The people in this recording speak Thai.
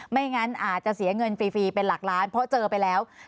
ไม่งั้นอาจจะเสียเงินฟรีเป็นหลักล้านเพราะเจอไปแล้ว